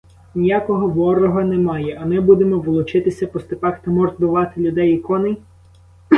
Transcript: Ніякого ворога немає, а ми будемо волочитися по степах та мордувати людей і коней?